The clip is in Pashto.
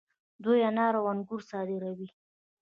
دوی انار او انګور صادروي.